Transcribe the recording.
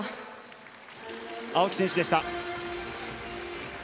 青木選手でした。